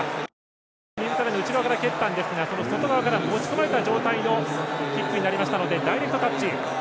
２２ｍラインの内側から蹴ったんですが外側から持ち込まれた状況になりましたのでダイレクトタッチ。